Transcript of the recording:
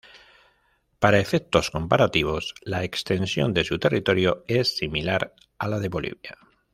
Para efectos comparativos, la extensión de su territorio es similar a la de Bolivia.